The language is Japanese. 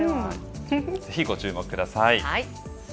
ぜひご注目ください。